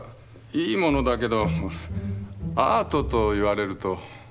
いいものだけどアートと言われるとねえ。